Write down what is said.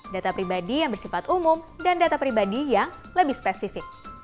data pribadi yang bersifat umum dan data pribadi yang lebih spesifik